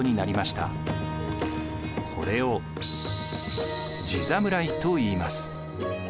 やがてこれを地侍といいます。